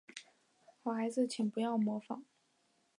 好孩子请不要模仿